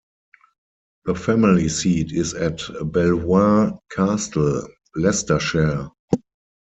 The family seat is at Belvoir Castle, Leicestershire.